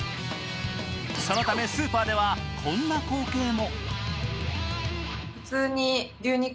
そのためスーパーでは、こんな光景も。